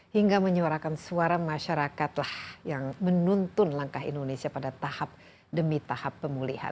hingga menyuarakan suara masyarakatlah yang menuntun langkah indonesia pada tahap demi tahap pemulihan